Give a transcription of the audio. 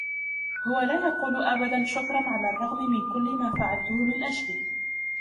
هو لا يقول أبداً شكراً على الرغم من كل ما فعلته من أجله.